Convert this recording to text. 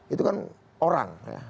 itu kan orang